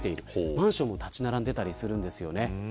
マンションも立ち並んでいたりするんです。